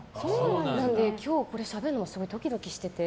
なので、今日これしゃべるのドキドキしてて。